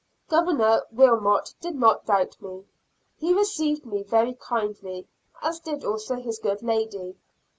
Governor Wilmot did not doubt me. He received me very kindly, as did also his good lady.